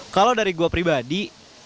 kalau dari gue pribadi